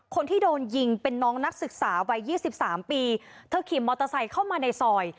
คนที่โดนยิงเป็นน้องนักศึกษาวัยยี่สิบสามปีเธอขี่มอเตอร์ไซค์เข้ามาในซอย